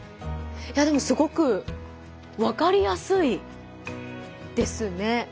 でもすごくわかりやすいですね。